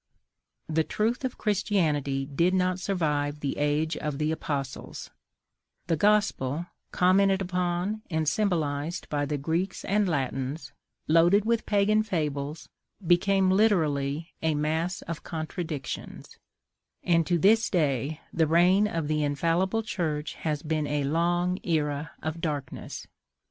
The truth of CHRISTIANITY did not survive the age of the apostles; the GOSPEL, commented upon and symbolized by the Greeks and Latins, loaded with pagan fables, became literally a mass of contradictions; and to this day the reign of the INFALLIBLE CHURCH has been a long era of darkness.